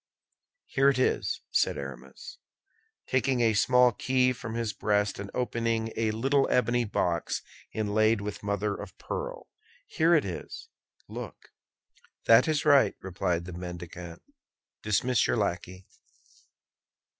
"Here it is," said Aramis, taking a small key from his breast and opening a little ebony box inlaid with mother of pearl, "here it is. Look." "That is right," replied the mendicant; "dismiss your lackey."